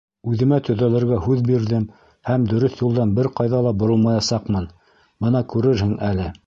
Үҙемә төҙәлергә һүҙ бирҙем һәм дөрөҫ юлдан бер ҡайҙа ла боролмаясаҡмын, бына күрерһең әле!